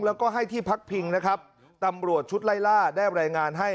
แล้วก็ให้ที่พักพิงนะครับตำรวจชุดไล่ล่าได้รายงานให้